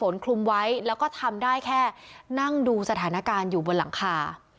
คลุมไว้แล้วก็ทำได้แค่นั่งดูสถานการณ์อยู่บนหลังคา